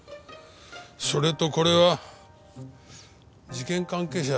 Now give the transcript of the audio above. それとこれは事件関係者